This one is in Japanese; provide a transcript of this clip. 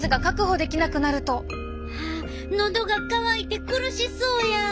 あっのどが渇いて苦しそうや！